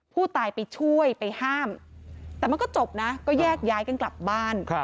ผู้ตายไปช่วยไปห้ามแต่มันก็จบนะก็แยกย้ายกันกลับบ้าน